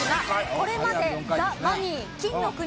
これまでザ・マミィ、金の国